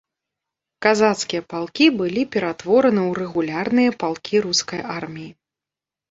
Казацкія палкі былі ператвораны ў рэгулярныя палкі рускай арміі.